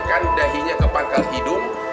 ya kita ikan dahinya ke pangkal hidung